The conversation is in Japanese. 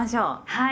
はい。